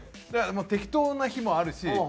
だから適当な日もあるし。